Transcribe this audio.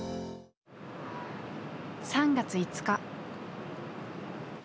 ３月５日。